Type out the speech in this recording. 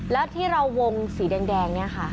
แล้วที่เราวงสีแดงเนี่ยค่ะ